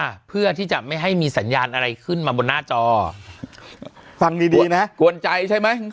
อ่ะเพื่อที่จะไม่ให้มีสัญญาณอะไรขึ้นมาบนหน้าจอฟังดีดีนะกวนใจใช่ไหม